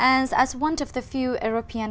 và ngay trước chủ nhật